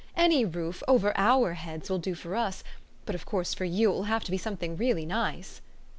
Any roof over OUR heads will do for us; but of course for you it will have to be something really nice."